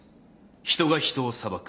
人が人を裁く。